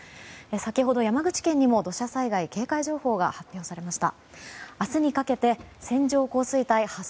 先ほど山口県にも土砂災害警戒情報が発表されました。